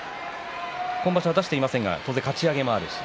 今場所は出していませんがかち上げもあります。